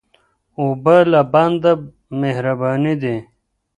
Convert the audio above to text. اوبه له بنده مهربانې دي.